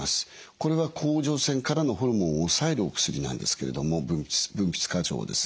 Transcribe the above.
これは甲状腺からのホルモンを抑えるお薬なんですけれども分泌過剰をですね。